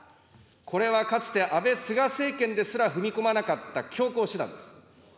これはかつて安倍、菅政権ですら踏み込まなかった強硬手段です。